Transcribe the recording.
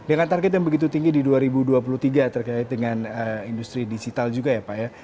dengan target yang begitu tinggi di dua ribu dua puluh tiga terkait dengan industri digital juga ya pak ya